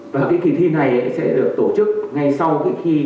và cái kỳ thi này sẽ được tổ chức ngay sau cái kỳ